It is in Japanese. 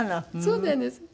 そうなんです。